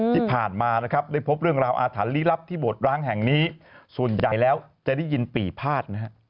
ที่ผ่านมาได้พบเรื่องราวอาถรรพ์ที่โบสถ์ร้างแห่งนี้ส่วนใหญ่แล้วจะได้ยินปีภาษณ์